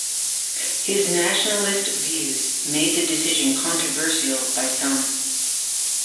His nationalist views made the decision controversial by some.